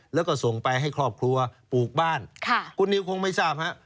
แล้วก็ส่งไปให้ครอบครัวปลูกบ้านคุณนิวคงไม่ทราบฮะ